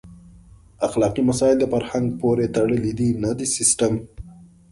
اخلاقي مسایل د فرهنګ پورې تړلي دي نه د سیسټم.